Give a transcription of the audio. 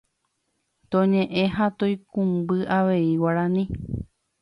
Toñe'ẽ ha toikũmby avei Guarani